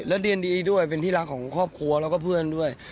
แล้วเรียนดีด้วยเป็นที่รักของครอบครัวแล้วก็เพื่อนด้วย